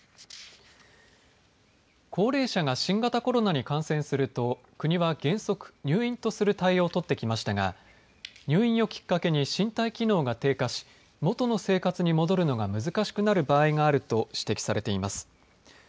高齢者が新型コロナに感染すると国は原則、入院とする対応をとってきましたが入院をきっかけに身体機能が低下し元の生活に戻るのが難しくなる場合があると指摘されています。